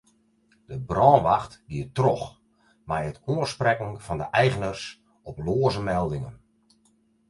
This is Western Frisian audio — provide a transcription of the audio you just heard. De brânwacht giet troch mei it oansprekken fan de eigeners op loaze meldingen.